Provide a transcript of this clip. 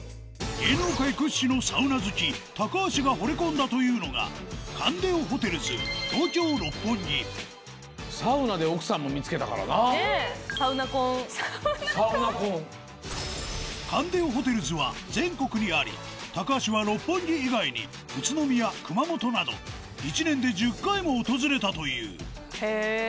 高橋が惚れ込んだというのがカンデオホテルズは全国にあり高橋は六本木以外に宇都宮熊本など１年で１０回も訪れたというへぇ。